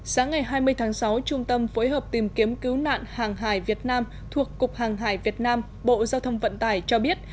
sáng ngày hai mươi tháng sáu trung tâm phối hợp tìm kiếm cứu nạn hàng hải việt nam thuộc cục hàng hải việt nam bộ giao thông vận tải cho biết